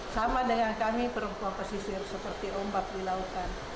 sama dengan kami perempuan pesisir seperti ombak di lautan